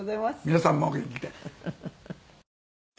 皆さんもお元気で。